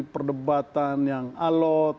perdebatan yang alot